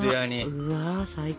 うわ最高。